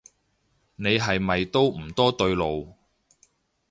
你係咪都唔多對路